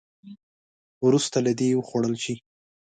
وروسته دې وخوړل شي.